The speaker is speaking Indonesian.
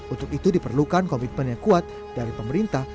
untuk itu diperlukan komitmen yang kuat dari pemerintah